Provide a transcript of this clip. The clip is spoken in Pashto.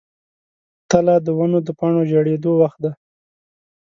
تله د ونو د پاڼو ژیړیدو وخت دی.